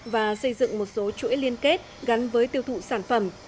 và xây dựng một số chuỗi liên kết gắn với tiêu thụ sản phẩm